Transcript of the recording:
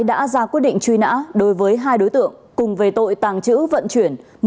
đã ra quyết định truy nã đối với hai đối tượng cùng về tội tàng trữ vận chuyển